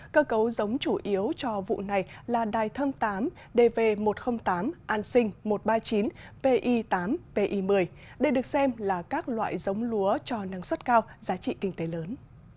cơ cấu giống chủ yếu cho vụ này là đài thơm tám dv một trăm linh tám an sinh một trăm ba mươi chín pi tám pi một mươi đây được xem là các loại giống lúa cho năng suất cao giá trị kinh tế lớn